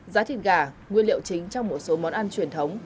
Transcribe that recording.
giá thịt gà nguyên liệu chính trong một số món ăn truyền thống